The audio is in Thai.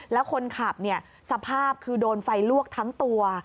แล้วคนขับสภาพคือโดนไฟลวกทั้งตัว